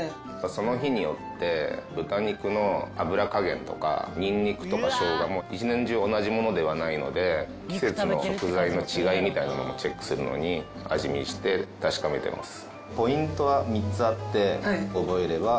その日によって豚肉の脂加減とかニンニクとか生姜も一年中同じものではないので季節の食材の違いみたいなのをチェックするのに味見して確かめてます。